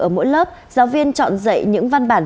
ở mỗi lớp giáo viên chọn dạy những văn bản